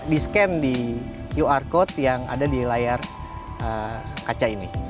di scan di qr code yang ada di layar kaca ini